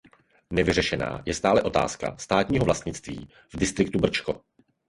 Nevyřešená je stále otázka státního vlastnictví v Distriktu Brčko.